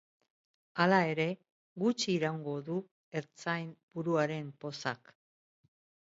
Hala ere, gutxi iraungo du ertzain-buruaren pozak.